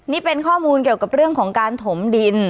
นี่เป็นข้อมูลเกี่ยวกับเรื่องของการถมดิน